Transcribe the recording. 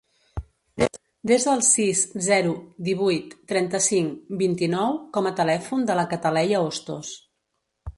Desa el sis, zero, divuit, trenta-cinc, vint-i-nou com a telèfon de la Cataleya Ostos.